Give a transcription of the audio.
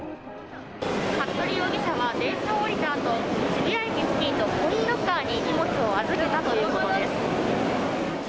服部容疑者は、電車を降りたあと、渋谷駅付近のコインロッカーに荷物を預けたということです。